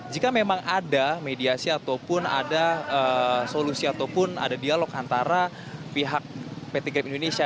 jika memang ada mediasi ataupun ada solusi ataupun ada dialog antara pihak pt grab indonesia